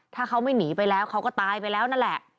ถ้าเขาไม่หนีไปแล้วเขาก็ตายไปแล้วนั่นแหละ